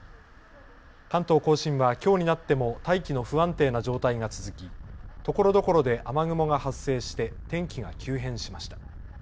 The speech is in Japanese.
関東甲信はきょうになっても大気の不安定な状態が続きところどころで雨雲が発生して天気が急変しました。